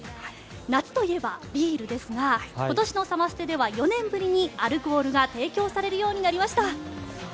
夏といえばビールですが今年のサマステでは４年ぶりにアルコールが提供されるようになりました。